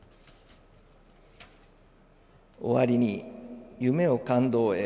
終わりに、「夢を感動へ。